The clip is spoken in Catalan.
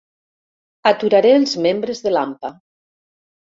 Aturaré els membres de l'AMPA.